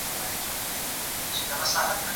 که ته مقاومت وکړې، بریا ستا په برخه ده.